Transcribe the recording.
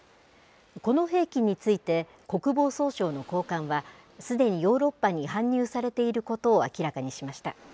この兵器について、国防総省の高官は、すでにヨーロッパに搬入されていることを明らかにしました。